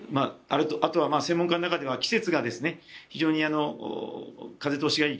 あとは専門家の中では季節が風通しがいい